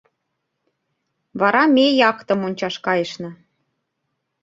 Вара ме яхтым ончаш кайышна.